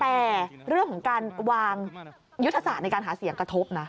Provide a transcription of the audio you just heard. แต่เรื่องของการวางยุทธศาสตร์ในการหาเสียงกระทบนะ